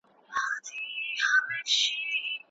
د ناروغۍ لومړنۍ نښې کمې څرګندېږي.